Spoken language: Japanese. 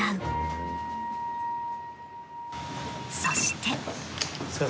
そして。